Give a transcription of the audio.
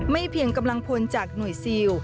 เพียงกำลังพลจากหน่วยซิล